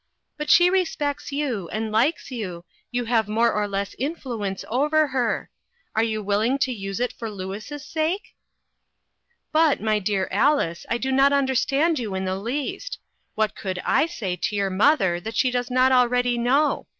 But she respects you, and likes you, and you have more or less influence over her. Are you willing to use it for Louis' sake ?"" But, my dear Alice, I do not understand you in the least. What could I say to your mother that she does not already know